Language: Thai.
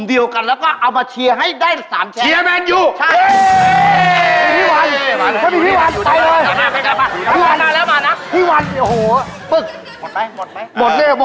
เดี๋ยวหาตัวใหม่มาแทนเลย